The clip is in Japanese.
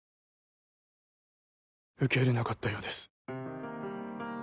受け入れなかったようです